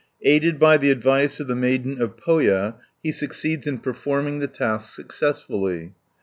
Aided by the advice of the Maiden of Pohja he succeeds in performing the tasks successfully.